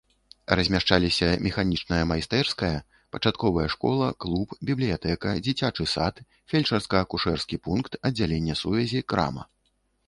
Размяшчаліся механічная майстэрская, пачатковая школа, клуб, бібліятэка, дзіцячы сад, фельчарска-акушэрскі пункт, аддзяленне сувязі, крама.